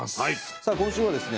さあ今週はですね